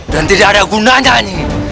dan tidak ada gunanya nyi